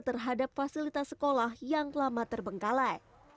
terhadap fasilitas sekolah yang lama terbengkalai